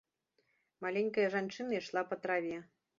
Маленькая жанчына ішла па траве.